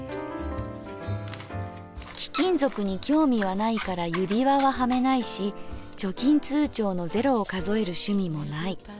「貴金属に興味はないから指輪ははめないし貯金通帳の０を数える趣味もない。